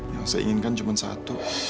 yang saya inginkan cuma satu